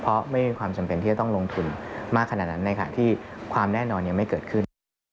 เพราะไม่มีความจำเป็นที่จะต้องลงทุนมากขนาดนั้นในขณะที่ความแน่นอนยังไม่เกิดขึ้น